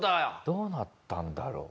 どうなったんだろう？